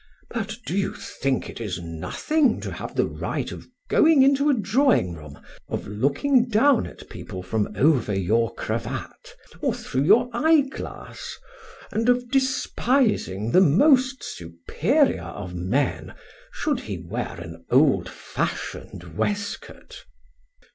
But do you think it is nothing to have the right of going into a drawing room, of looking down at people from over your cravat, or through your eye glass, and of despising the most superior of men should he wear an old fashioned waistcoat?...